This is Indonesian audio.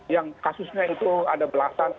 yang kasusnya itu ada belasan